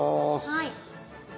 はい。